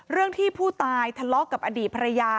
เรื่องที่ผู้ตายทะเลาะกับอดีตภรรยา